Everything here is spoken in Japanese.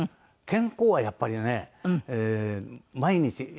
健康はやっぱりね毎日。